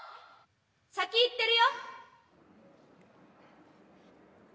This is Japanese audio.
先行ってるよ！